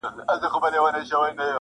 • د علاج پیسې مي راکړه رخصتېږم -